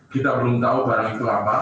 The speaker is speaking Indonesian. kita belum tahu barang itu apa